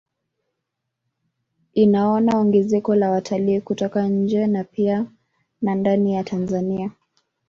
Inaona ongezeko la watalii kutoka nje na pia na ndani ya Tanzania